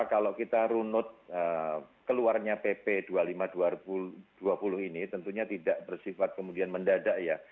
kalau kita runut keluarnya pp dua puluh lima dua ribu dua puluh ini tentunya tidak bersifat kemudian mendadak ya